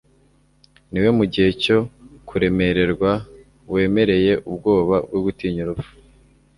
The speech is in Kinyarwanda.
ni we mu gihe cyo kuremererwa wemereye ubwoba bwo gutinya urupfu